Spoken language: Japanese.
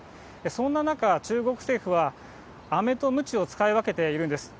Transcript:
そんな中、中国政府はあめとむちを使い分けているんです。